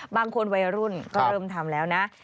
บางคนวัยรุ่นก็เริ่มทำแล้วนะ